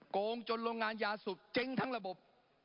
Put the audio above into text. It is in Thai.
โกงจนโรงงานยาสูบเจ๊งทั้งระบบ